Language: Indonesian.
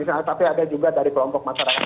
tapi ada juga dari kelompok masyarakat